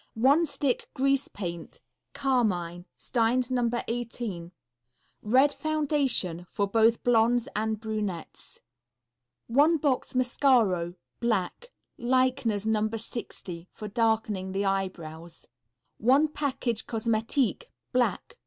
One Stick Grease Paint, Carmine. Stein's No. 18. Red foundation, for both blondes and brunettes. One Box Mascaro, Black. Leichner's No. 60. For darkening the eyebrows. _One Package Cosmetique, Black.